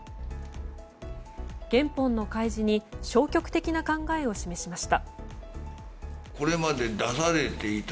原本の開示に消極的な考えを示しました。